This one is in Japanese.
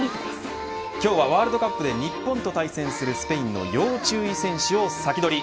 今日はワールドカップで日本と対戦するスペインの要注意選手を先取り。